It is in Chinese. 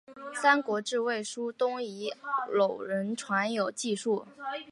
三国志魏书东夷倭人传有记述。